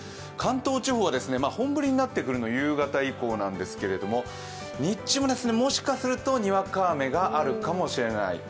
関東地方は本降りになってくるのは夕方以降なんですヶ、日中も、もしかするとにわか雨があるかもしれない。